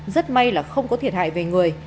rất may là không có thiệt hại về người